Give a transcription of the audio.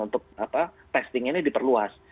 untuk testing ini diperluas